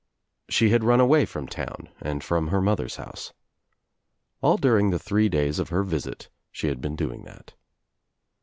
She had run away from town and from her mother's house. All during the three days of her visit she had been doing that.